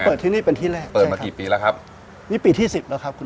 ที่นี่เป็นที่แรกเปิดมากี่ปีแล้วครับนี่ปีที่สิบแล้วครับคุณ